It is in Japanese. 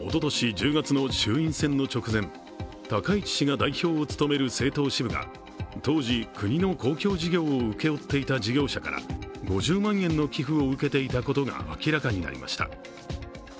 おととし１０月の衆院選の直前、高市氏が代表を務める政党支部が当時、国の公共事業を請け負っていた事業者から５０万円の寄付を受けていたことが明らかになりました。